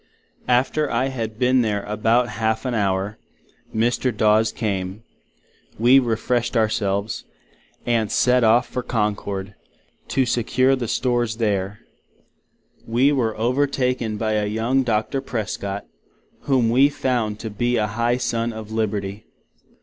After I had been there about half an Hour, Mr. Daws came; we refreshid our selves, and set off for Concord, to secure the Stores, &c. there. We were overtaken by a young Docter Prescot, whom we found to be a high Son of Liberty.